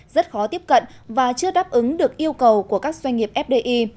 rất khó tiếp cận và chưa đáp ứng được yêu cầu của các doanh nghiệp fdi